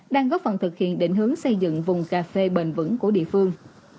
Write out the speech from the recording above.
đang góp phần thực hiện định hướng xây dựng vùng cà phê bền vững của địa phương